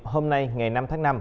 hôm nay ngày năm tháng năm